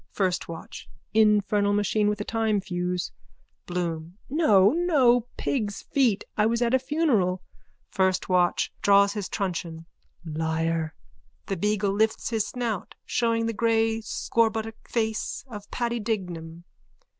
FIRST WATCH: Infernal machine with a time fuse. BLOOM: No, no. Pig's feet. I was at a funeral. FIRST WATCH: (Draws his truncheon.) Liar! _(The beagle lifts his snout, showing the grey scorbutic face of Paddy Dignam.